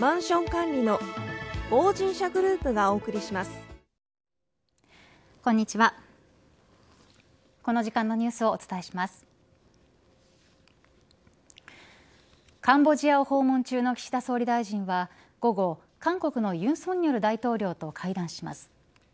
カンボジアを訪問中の岸田総理大臣は午後、韓国の尹錫悦大統領と会談します。